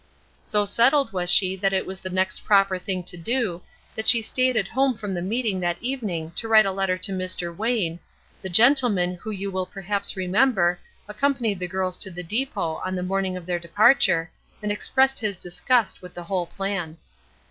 So settled was she that it was the next proper thing to do that she staid at home from the meeting that evening to write a letter to Mr. Wayne, the gentleman who you will perhaps remember, accompanied the girls to the depot on the morning of their departure, and expressed his disgust with the whole plan.